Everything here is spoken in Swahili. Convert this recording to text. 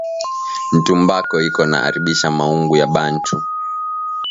Ntumbako iko na aribisha maungu ya bantu